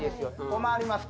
困ります